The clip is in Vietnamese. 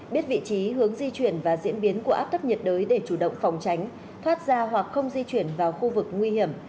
biết vị trí hướng di chuyển và diễn biến của áp thấp nhiệt đới để chủ động phòng tránh thoát ra hoặc không di chuyển vào khu vực nguy hiểm